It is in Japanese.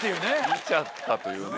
似ちゃったというね。